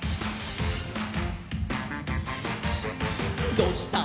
「どうしたの？